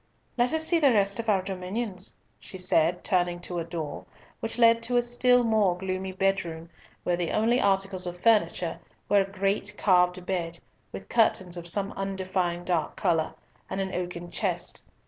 "Let us see the rest of our dominions," she said, turning to a door, which led to a still more gloomy bedroom, where the only articles of furniture were a great carved bed, with curtains of some undefined dark colour, and an oaken chest.